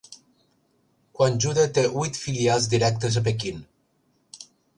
Quanjude té huit filials directes a Pequín.